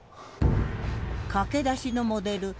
駆け出しのモデル橋本